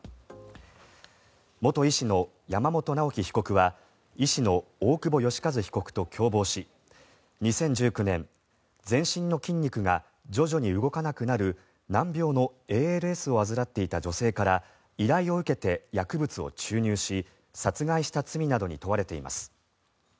元医師の山本直樹被告は医師の大久保愉一被告と共謀し２０１９年全身の筋肉が徐々に動かなくなる難病のＡＬＳを患っていた女性から依頼を受けて薬物を注入し殺害した罪などに問われています。